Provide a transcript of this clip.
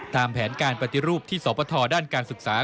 ตามแผนการปฏิรูปที่สปทด้านการศึกษา